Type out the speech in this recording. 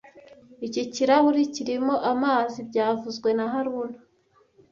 Iki kirahure kirimo amazi byavuzwe na haruna